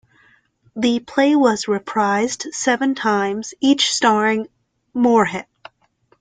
The play was reprised seven times, each starring Moorehead.